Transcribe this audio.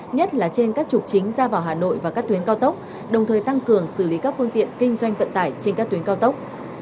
nhất là trên các trục chính ra vào hà nội và các tuyến cao tốc đồng thời tăng cường xử lý các phương tiện kinh doanh vận tải trên các tuyến cao tốc